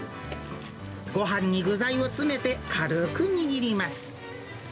ごはんに具材を詰めて、軽ーく握ります。